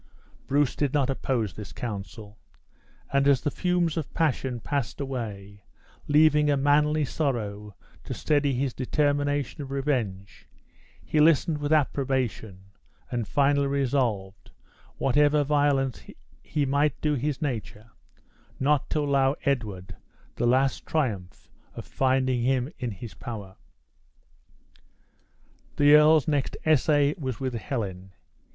Bruce did not oppose this counsel; and as the fumes of passion passed away, leaving a manly sorrow to steady his determination of revenge, he listened with approbation, and finally resolved, whatever violence he might do his nature, not to allow Edward the last triumph of finding him in his power. The earl's next essay was with Helen.